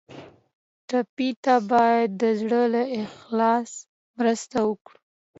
ټپي ته باید د زړه له اخلاص مرسته وکړو.